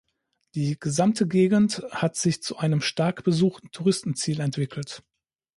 Die gesamte Gegend hat sich zu einem stark besuchten Touristenziel entwickelt.